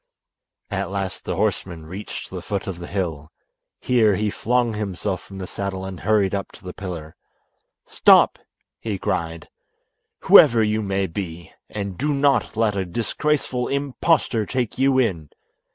At last the horseman reached the foot of the hill. Here he flung himself from the saddle and hurried up to the pillar. "Stop!" he cried, "whoever you may be, and do not let a disgraceful impostor take you in.